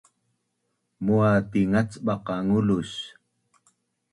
Mu’az tingacbaq qa ngulus